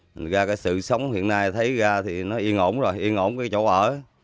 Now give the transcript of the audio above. thành ra cái sự sống hiện nay thấy ra thì nó yên ổn rồi yên ổn cái chỗ ở